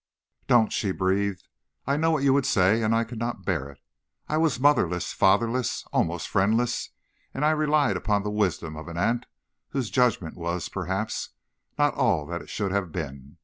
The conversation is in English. "'Don't!' she breathed. 'I know what you would say and I cannot bear it. I was motherless, fatherless, almost friendless, and I relied upon the wisdom of an aunt, whose judgment was, perhaps, not all that it should have been.